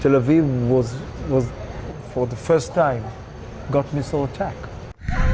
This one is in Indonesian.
tel aviv pertama kali terjadi serangan misil